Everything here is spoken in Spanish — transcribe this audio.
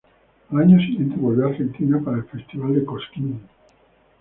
Al año siguiente volvió a Argentina para el Festival de Cosquín.